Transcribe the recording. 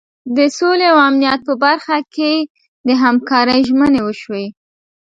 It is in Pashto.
د سولې او امنیت په برخه کې د همکارۍ ژمنې وشوې.